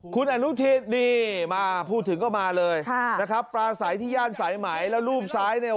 คุณอนุทิศพูดถึงก็มาเลยนะครับปราศัยที่ย่านสายไหมและรูปซ้าย